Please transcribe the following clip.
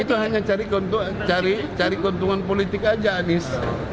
itu hanya cari kontungan politik aja anis